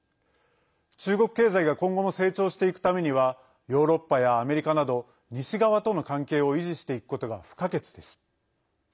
中国経済が今後も成長していくためにはヨーロッパやアメリカなど西側との関係を維持していくことが不可欠です。